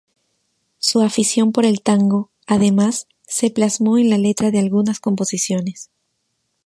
Su afición por el tango, además, se plasmó en la letra de algunas composiciones.